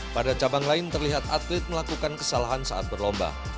pada cabang lain terlihat atlet melakukan kesalahan saat berlomba